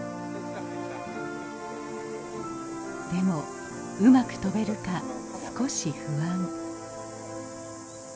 でもうまく飛べるか少し不安。